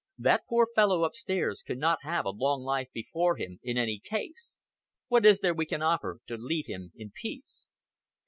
That poor fellow upstairs cannot have a long life before him in any case. What is there we can offer you to leave him in peace?"